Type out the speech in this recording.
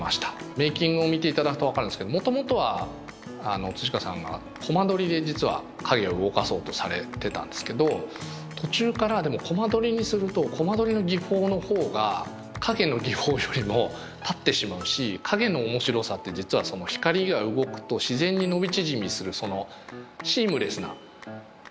メーキングを見ていただくと分かるんですけどもともとは川さんがコマ撮りで実は影を動かそうとされてたんですけど途中からでもコマ撮りにするとコマ撮りの技法の方が影の技法よりも立ってしまうし影の面白さって実は光が動くと自然に伸び縮みするシームレスな変化。